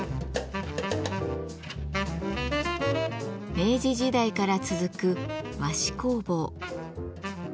明治時代から続く和紙工房。